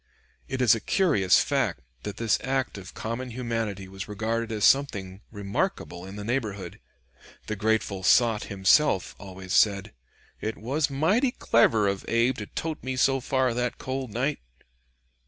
It is a curious fact that this act of common humanity was regarded as something remarkable in the neighborhood; the grateful sot himself always said "it was mighty clever of Abe to tote me so far that cold night."